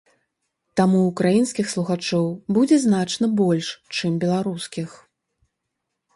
Таму ўкраінскіх слухачоў будзе значна больш, чым беларускіх.